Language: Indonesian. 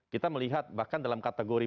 kita melihat bahkan dalam kategori